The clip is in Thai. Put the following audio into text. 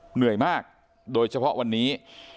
เหนื่อยมากโดยเฉพาะวันนี้